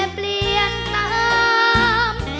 ไม่เคยเปลี่ยนตาม